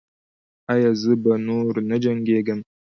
ایا زه به نور نه جنګیږم؟